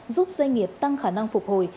giúp doanh nghiệp tăng khả năng phục hồi